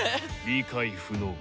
理解不能。